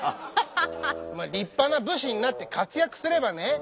立派な武士になって活躍すればね